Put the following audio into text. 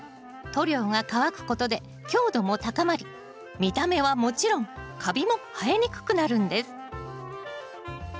塗料が乾くことで強度も高まり見た目はもちろんカビも生えにくくなるんです。